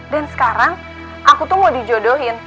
dan sekarang aku tuh mau dijodohin